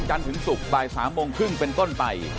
ถึงศุกร์บ่าย๓โมงครึ่งเป็นต้นไป